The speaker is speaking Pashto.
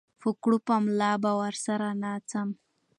په کړوپه ملا به ورسره ناڅم